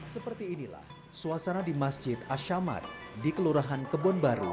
seperti inilah suasana di masjid ashamat di kelurahan kebon baru